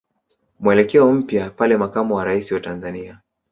mwelekeo mpya pale Makamo wa Rais wa Tanzania